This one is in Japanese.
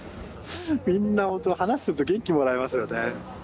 みんなほんと話すると元気もらえますよね。